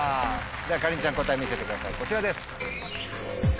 かりんちゃん答え見せてくださいこちらです。